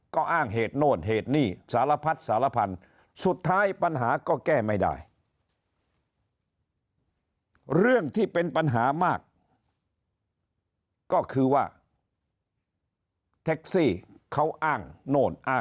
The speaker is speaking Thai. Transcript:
ก็อ้างเหตุโน่นเหตุนี้สารพัดสารพัน